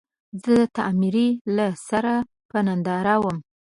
زه د تعمير له سره په ننداره ووم.